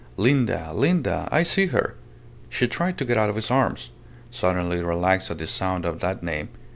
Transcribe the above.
Linda, Linda I see her!" ... She tried to get out of his arms, suddenly relaxed at the sound of that name.